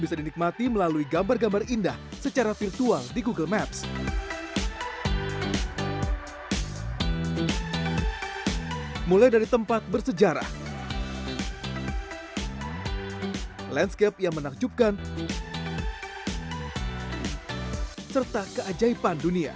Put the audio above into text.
setelah mencoba kita mencoba